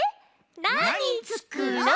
「なにつくろう」！